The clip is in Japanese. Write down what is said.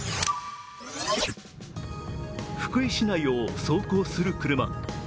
福井市内を走行する車。